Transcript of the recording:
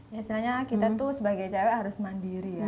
ya sebenarnya kita tuh sebagai cewek harus mandiri ya